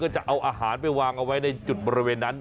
จะเอาอาหารไปวางเอาไว้ในจุดบริเวณนั้น